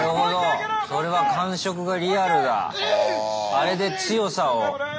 あれで強さを。